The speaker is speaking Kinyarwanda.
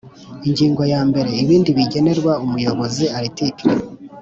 Ingingo ya mbere Ibindi bigenerwa Umuyobozi Article